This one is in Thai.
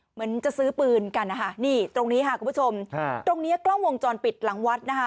เหมือนจะซื้อปืนกันตรงนี้กล้องวงจรปิดหลังวัด